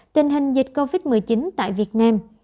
tình hình dịch covid một mươi chín tại việt nam